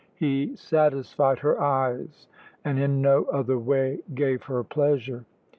He satisfied her eyes, and in no other way gave her pleasure.